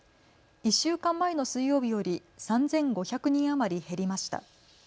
１週間前の水曜日より３５００人余り減りました。